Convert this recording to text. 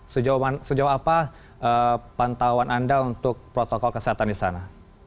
sejauh apa pantauan anda untuk protokol kesehatan di sana